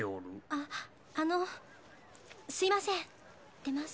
あっあのすいません出ます